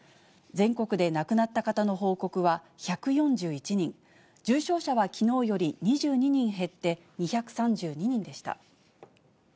全国で亡くなった方の報告は１４１人、重症者はきのうより２２人減って、２３２人でした。